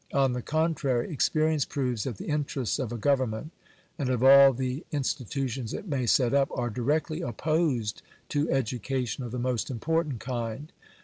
On the contrary, experience proves that the interests of a government, and of all the insti tutions it may set up, are directly opposed to education of the most important kind.